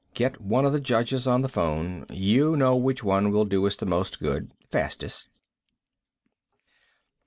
"Get one of the judges on the phone. You'll know which one will do us the most good, fastest."